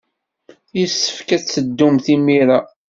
Yessefk ad teddumt imir-a.